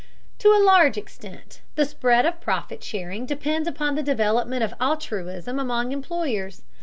To a large extent, the spread of profit sharing depends upon the development of altruism among employers.